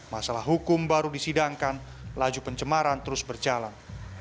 masalah hukum baru disidangkan laju pencemaran terus berjalan